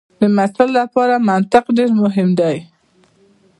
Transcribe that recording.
د محصل لپاره منطق ډېر مهم دی.